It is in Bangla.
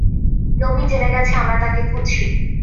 নবীন জেনে গেছে আমরা তাকে খুঁজছি।